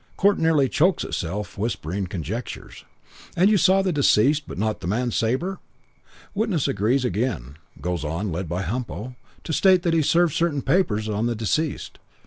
Court nearly chokes itself whispering conjectures. 'And you saw the deceased but not the man Sabre?' Witness agrees again. Goes on, led by Humpo, to state that he served certain papers on the deceased.